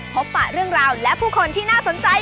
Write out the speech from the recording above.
ปะเรื่องราวและผู้คนที่น่าสนใจ